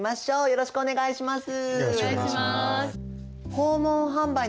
よろしくお願いします。